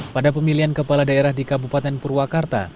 pada pemilihan kepala daerah di kabupaten purwakarta